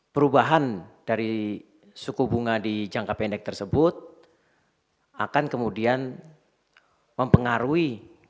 perubahan dari suku bunga di jangka pendek tersebut akan kemudian mempengaruhi